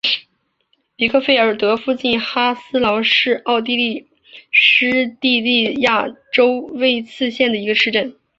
比克费尔德附近哈斯劳是奥地利施蒂利亚州魏茨县的一个市镇。